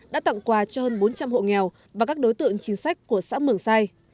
đã tặng quà cho hơn bốn trăm linh hộ nghèo và các đối tượng chính sách của xã mường sai